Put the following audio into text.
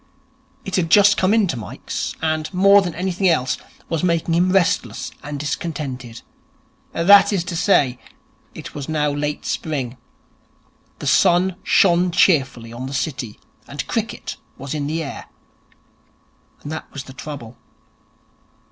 It had just come into Mike's, and, more than anything else, was making him restless and discontented. That is to say, it was now late spring: the sun shone cheerfully on the City; and cricket was in the air. And that was the trouble.